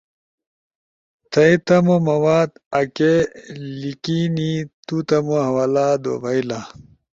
تھئی تمو مواد اکی لیکینی تو تمو حوالہ دو بئیلا۔